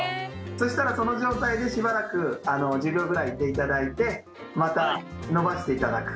そしたらその状態でしばらく１０秒ぐらいいていただいてまた伸ばしていただく。